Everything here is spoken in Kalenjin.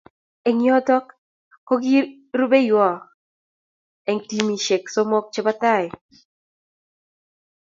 Eng yoto ko kii rubeiwon eng timishe somok che bo tai.